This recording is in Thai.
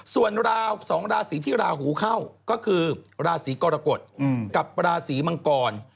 ส่วนราว๒ราศีที่ราหูเข้าก็คือราศีกรกฎกับราศีมังกร